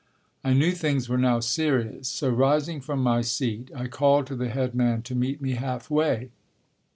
I knew things were now serious, so rising from my seat I called to the head man to meet me half way.